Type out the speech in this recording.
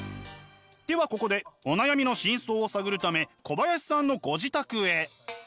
ではここでお悩みの真相を探るため小林さんのご自宅へ。